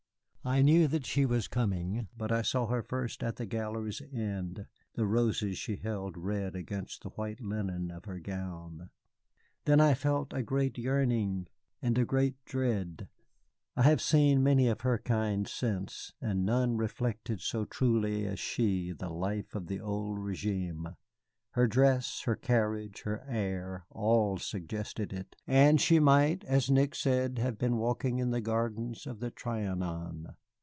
I knew that she was coming, but I saw her first at the gallery's end, the roses she held red against the white linen of her gown. Then I felt a great yearning and a great dread. I have seen many of her kind since, and none reflected so truly as she the life of the old régime. Her dress, her carriage, her air, all suggested it; and she might, as Nick said, have been walking in the gardens of the Trianon.